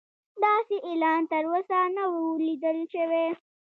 داسې اعلان تر اوسه نه و لیدل شوی.